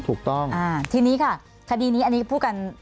ถูกต้องทีนี้ค่ะคดีนี้อันนี้พูดกัน